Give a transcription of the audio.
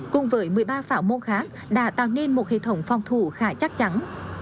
cùng với một mươi ba phảo môn khác đã tạo nên một hệ thống phòng thủ khá chắc chắn